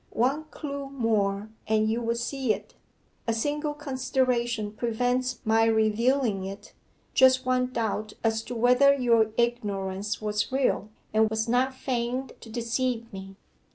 One clue more, and you would see it. A single consideration prevents my revealing it just one doubt as to whether your ignorance was real, and was not feigned to deceive me.